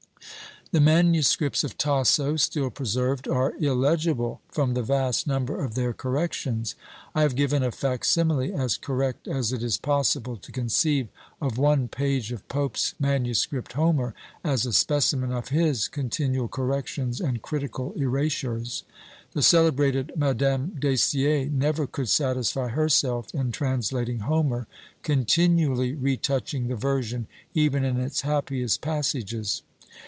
The MSS. of Tasso, still preserved, are illegible from the vast number of their corrections. I have given a fac simile, as correct as it is possible to conceive, of one page of Pope's MS. Homer, as a specimen of his continual corrections and critical erasures. The celebrated Madame Dacier never could satisfy herself in translating Homer: continually retouching the version, even in its happiest passages.